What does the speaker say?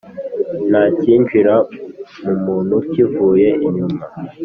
Ntakinjira mu muntu kivuye inyuma